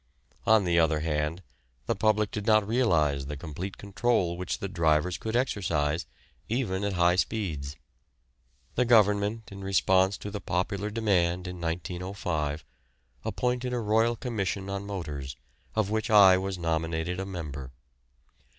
On the other hand, the public did not realise the complete control which the drivers could exercise, even at high speeds. The Government, in response to the popular demand in 1905, appointed a Royal Commission on Motors, of which I was nominated a member.